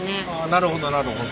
なるほどなるほど。